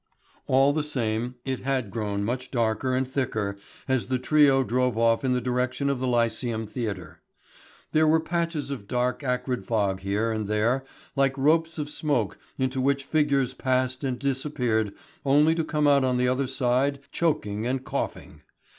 All the same it had grown much darker and thicker as the trio drove off in the direction of the Lyceum Theatre. There were patches of dark acrid fog here and there like ropes of smoke into which figures passed and disappeared only to come out on the other side choking and coughing.